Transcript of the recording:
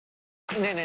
ねえねえ